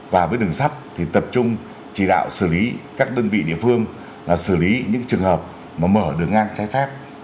và với đường sắt thì tập trung chỉ đạo xử lý các đơn vị địa phương là xử lý những trường hợp mở đường ngang chai phép